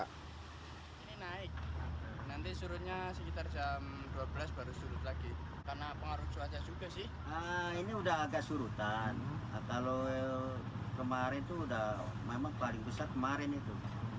kalau kemarin itu memang paling besar kemarin itu